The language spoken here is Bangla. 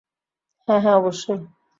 হ্যাঁ, হ্যাঁ, অবশ্যই।